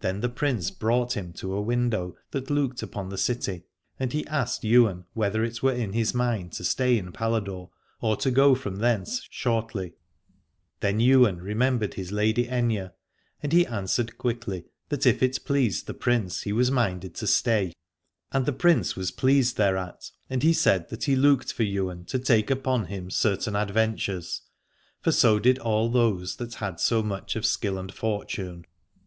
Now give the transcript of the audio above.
Then the Prince brought him to a window that looked upon the city, and he asked Ywain whether it were in his mind to stay in Pala dore or to go from thence shortly. Then Ywain remembered his lady Aithne, and he answered quickly that if it pleased the Prince he was minded to stay. And the Prince was pleased thereat, and he said that he looked for Ywain to take upon him certain adven tures ; for so did all those that had so much of skill and fortune.